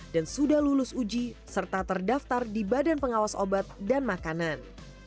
dan sudah lulus uji serta terdaftar di badan pengawas obat dan makanan